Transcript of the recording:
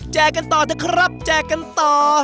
แจ่กันต่อเดี๋ยวครับแจ่กันต่อ